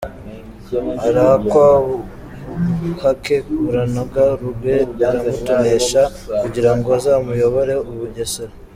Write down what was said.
Arahakwaubuhake buranoga, Rugwe aramutonesha kugirango azamuyoborere u Bugesera.